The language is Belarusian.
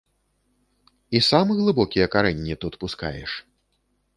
І сам глыбокія карэнні тут пускаеш?